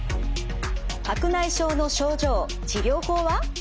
白内障の症状治療法は？